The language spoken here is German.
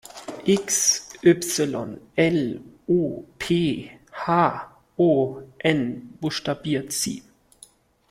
"X Y L O P H O N", buchstabiert sie.